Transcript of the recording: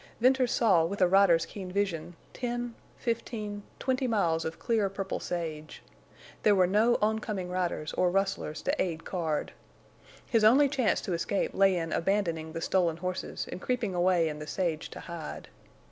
Venters saw with a rider's keen vision ten, fifteen, twenty miles of clear purple sage. There were no on coming riders or rustlers to aid Card. His only chance to escape lay in abandoning the stolen horses and creeping away in the sage to hide.